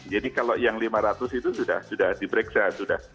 jadi kalau yang lima ratus itu sudah diperiksa